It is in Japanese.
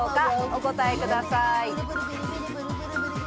お答えください。